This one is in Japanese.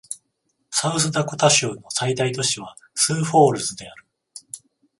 サウスダコタ州の最大都市はスーフォールズである